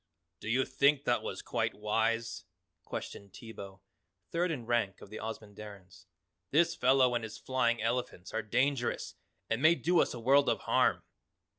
"Do you think that was quite wise?" questioned Teebo, third in rank of the Ozamandarins. "This fellow and his flying elephant are dangerous and may do us a world of harm."